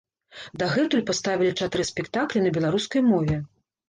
Дагэтуль паставілі чатыры спектаклі на беларускай мове.